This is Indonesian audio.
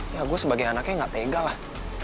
ya gue sebagai anaknya gak tega lah